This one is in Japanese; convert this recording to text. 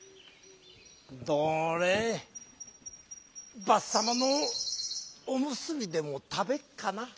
「どればさまのおむすびでもたべっかな」。